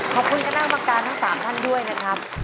คณะกรรมการทั้ง๓ท่านด้วยนะครับ